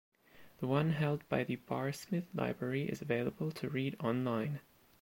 The one held by the Barr Smith Library is available to read online.